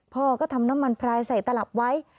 พ่อก็ทำน้ำมันพลายใส่ตลับไว้